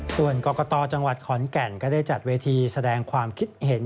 ส่วนกรกตจังหวัดขอนแก่นก็ได้จัดเวทีแสดงความคิดเห็น